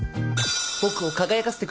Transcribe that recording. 僕を輝かせてくれる事。